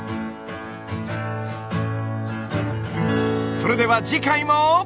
それでは次回も！